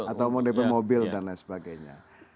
atau ngedep mobil dan lain sebagainya